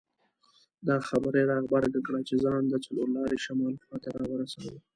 دا خبره یې را غبرګه کړه چې ځان د څلور لارې شمال خواته راورساوه.